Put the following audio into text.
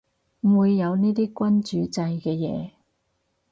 唔會有呢啲君主制嘅嘢